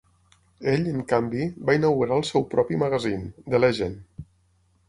Ell, en canvi, va inaugurar el seu propi magazín, The Legend!